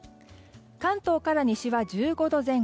関東から西は１５度前後。